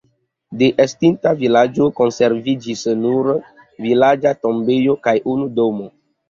De estinta vilaĝo konserviĝis nur vilaĝa tombejo kaj unu domo.